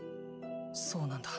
そうなんだ。